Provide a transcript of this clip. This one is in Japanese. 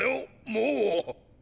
もう。